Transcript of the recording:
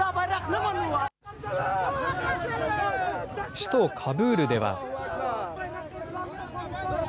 首都カブールでは。